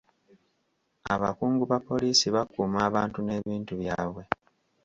Abakungu ba poliisi bakuuma abantu n'ebintu byabwe.